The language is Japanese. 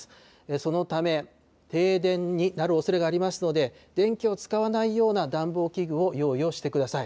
そのため、停電になるおそれがありますので、電気を使わないような暖房器具を用意をしてください。